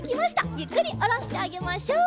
ゆっくりおろしてあげましょう。